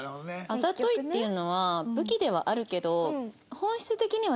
あざといっていうのは武器ではあるけど。